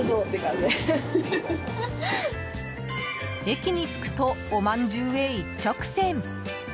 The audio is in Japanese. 駅に着くとおまんじゅうへ一直線。